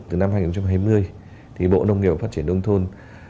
từ năm hai nghìn hai mươi bộ nông nghiệp và phát triển đông thôn